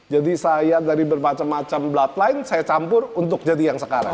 jadi saya dari berpacem macem bloodline saya campur untuk jadi yang sekarang